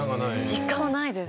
実感はないです。